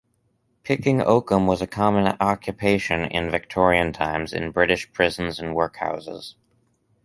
Picking oakum was a common occupation in Victorian times in British prisons and workhouses.